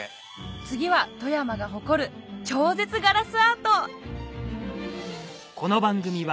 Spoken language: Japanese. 次は富山が誇る超絶ガラス